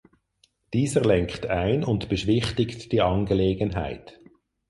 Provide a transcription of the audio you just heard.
Dieser lenkt ein und beschwichtigt die Angelegenheit.